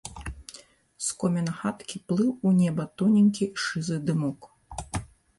З коміна хаткі плыў у неба тоненькі шызы дымок.